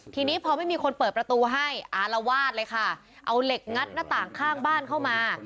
ทีนี้พอไม่มีคนเปิดประตูให้อารวาสเลยค่ะเอาเหล็กงัดหน้าต่างข้างบ้านเข้ามา